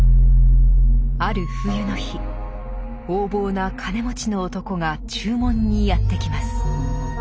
ある冬の日横暴な金持ちの男が注文にやって来ます。